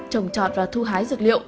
trồng trọt và thu hái dược liệu